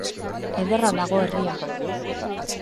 Ederra dago herria.